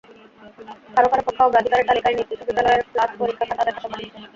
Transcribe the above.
কারও কারও পক্ষে অগ্রাধিকারের তালিকায় নিজ বিশ্ববিদ্যালয়ে ক্লাস-পরীক্ষা-খাতা দেখা সবার নিচে।